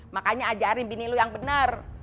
makanya ajarin bini lu yang bener